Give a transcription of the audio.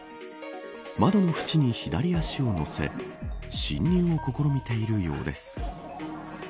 窓の縁に左足を乗せ侵入を試みているようです。